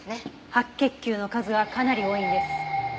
白血球の数がかなり多いんです。